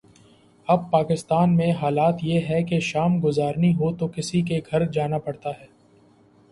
اب پاکستان میں حالت یہ ہے کہ شام گزارنی ہو تو کسی کے گھر جانا پڑتا ہے۔